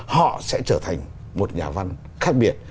họ sẽ trở thành một nhà văn khác biệt